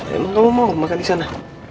emang kalau mau makan di sana